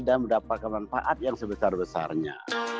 dan mendapatkan manfaat yang sebesar besarnya